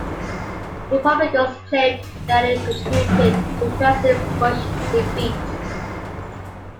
Republicans claimed that it contributed to President Bush's defeat.